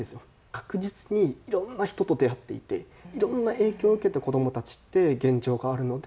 確実にいろんな人と出会っていていろんな影響を受けて子どもたちって現状があるので。